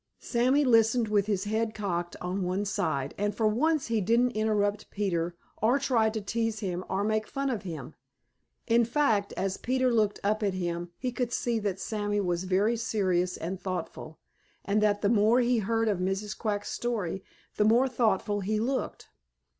Sammy listened with his head cocked on one side, and for once he didn't interrupt Peter or try to tease him or make fun of him. In fact, as Peter looked up at him, he could see that Sammy was very serious and thoughtful, and that the more he heard of Mrs. Quack's story the more thoughtful he looked.